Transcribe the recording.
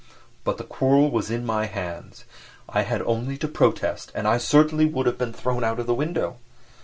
But the quarrel was in my hands. I had only to protest and I certainly would have been thrown out of the window.